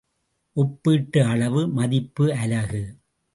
ஒப்பீட்டு அளவு மதிப்பு அலகு.